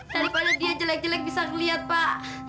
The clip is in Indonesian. daripada dia jelek jelek bisa ngeliat pak